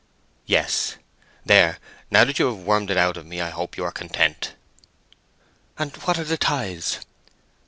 "Yes. There, now that you have wormed it out of me, I hope you are content." "And what are the ties?"